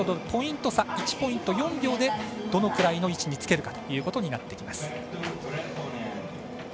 ポイント差、１ポイント４秒でどのくらいの位置につけるかということになってきます。